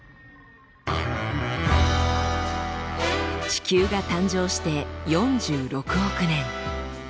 地球が誕生して４６億年。